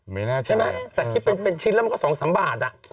ใช่ไหมแสดงที่เป็นชิ้นแล้วมันก็สองสามบาทอ่ะ